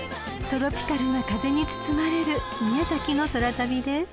［トロピカルな風に包まれる宮崎の空旅です］